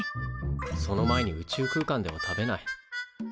その前に宇宙空間では食べない。